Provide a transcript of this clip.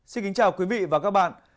xin kính chào quý vị và các bạn